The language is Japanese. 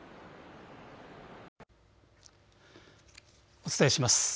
お伝えします。